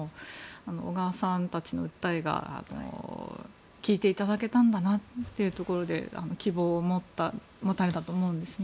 小川さんたちの訴えが聞いていただけたんだなということで希望を持たれたと思うんですね。